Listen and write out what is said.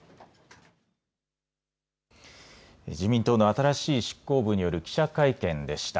自民党の新しい執行部による記者会見でした。